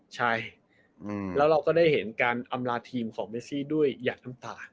ใช่แล้วเราก็ได้เห็นการอำลาทีมของเมซี่ด้วยหยัดน้ำตา